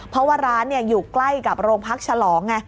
เพราะว่าร้านอยู่ใกล้กับโรงพักฉลองไง